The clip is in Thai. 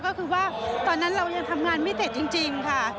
ก็คือว่าตอนนั้นเรายังทำงานไม่เสร็จจริงค่ะ